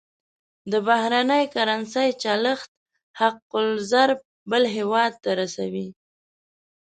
د بهرنۍ کرنسۍ چلښت حق الضرب بل هېواد ته رسوي.